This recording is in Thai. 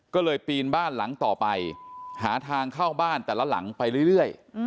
ก็เลยปีนบ้านหลังต่อไปหาทางเข้าบ้านแต่ละหลังไปเรื่อย